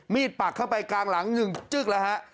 มีดปักเข้าไปกลางหลังจึ๊บเลยครับ